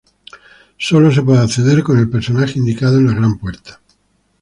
Sólo se puede acceder con el personaje indicado en la gran puerta.